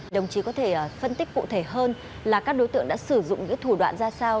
đồng chí có thể phân tích cụ thể hơn là các đối tượng đã sử dụng những thủ đoạn ra sao